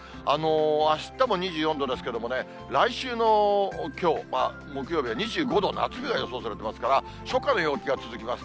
あしたも２４度ですけれどもね、来週のきょう、木曜日は２５度、夏日が予想されていますから、初夏の陽気が続きます。